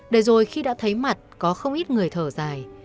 để rồi khi đã thấy mặt có không ít người thở dài